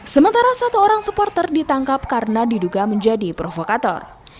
sementara satu orang supporter ditangkap karena diduga menjadi provokator